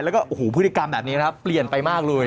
แล้วก็โอ้โหพฤติกรรมแบบนี้ครับเปลี่ยนไปมากเลย